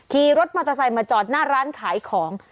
ขี่รถมอเตอร์ไซค์มาจอดหน้าร้านขายของ